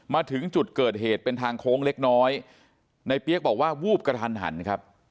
มาถึงจุดเกิดเหตุเป็นทางโค้งเล็กน้อยในเปี๊ยกบอกว่าวูบกระทันหันครับ